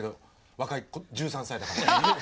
若い１３歳だから。